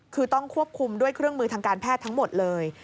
คือต้องควบคุมด้วยเครื่องมือทางการแพทย์ทั้งหมดเลย